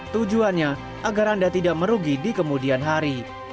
tujuannya agar anda tidak merugi di kemudian hari